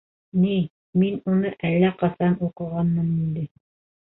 Ни, мин уны әллә ҡасан уҡығанмын инде.